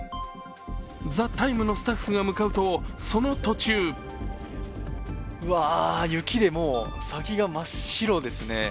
「ＴＨＥＴＩＭＥ，」のスタッフが向かうとその途中うわー、雪でもう先が真っ白ですね。